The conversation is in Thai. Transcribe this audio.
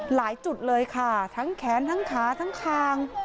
จุดเลยค่ะทั้งแขนทั้งขาทั้งคาง